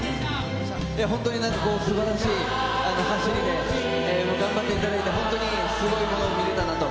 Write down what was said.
いや、本当になんかすばらしい走りで、頑張っていただいて、本当にすごいものを見れたなと。